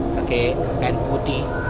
pakai kain putih